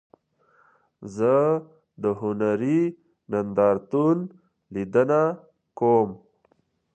زه د هنري نندارتون لیدنه کوم.